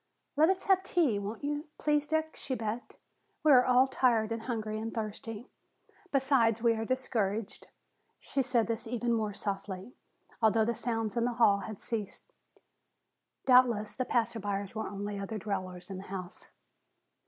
"Let us have tea, won't you, please, Dick?" she begged. "We are all tired and hungry and thirsty. Besides, we are discouraged." She said this even more softly, although the sounds in the hall had ceased. Doubtless the passersby were only other dwellers in the house.